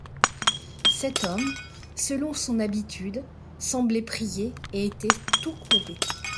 Cet homme, selon son habitude, semblait prier et était tout courbé.